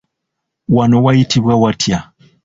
Wano wayitibwa watya?